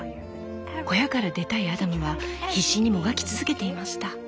小屋から出たいアダムは必死にもがき続けていました。